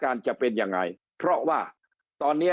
การเปิดห้างเปิดอะไรมาเนี่ย